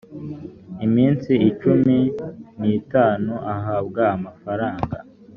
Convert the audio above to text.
iminsi cumi n itanu ahabwa amafaranga